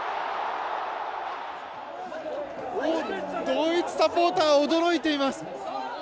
ドイツサポーター驚いています！